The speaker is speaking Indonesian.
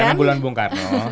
karena bulan bung karno